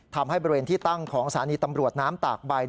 ทำให้บริเวณที่ตั้งของสถานีตำรวจน้ำตากใบ